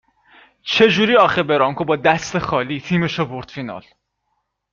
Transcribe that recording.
چه جوری آخه برانکو با دست خالی تیمشو بٌرد فینال ؟